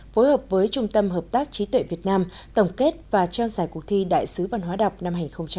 phối hợp với trung tâm hợp tác trí tuệ việt nam tổng kết và trao giải cuộc thi đại sứ văn hóa đọc năm hai nghìn hai mươi